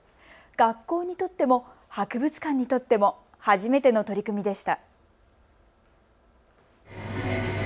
学校にとっても博物館にとっても初めての取り組みでした。